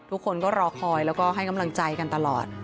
ทุกคนก็รอคอยแล้วก็ให้กำลังใจกันตลอด